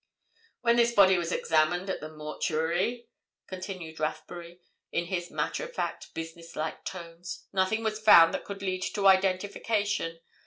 "When this body was examined at the mortuary," continued Rathbury, in his matter of fact, business like tones, "nothing was found that could lead to identification.